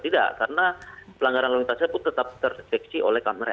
tidak karena pelanggaran lalu lintasnya pun tetap terdeteksi oleh kamera